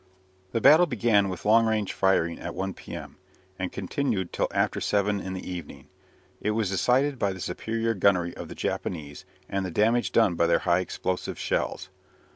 The battle began with long range firing at 1 p.m., and continued till after seven in the evening. It was decided by the superior gunnery of the Japanese, and the damage done by their high explosive shells.